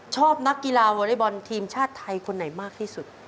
ชอบนักกีฬาวอเล็กบอลทีมชาติไทยคนไหนมากที่สุด